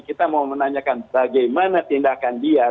kita mau menanyakan bagaimana tindakan dia